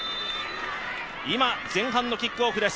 今、前半のキックオフです。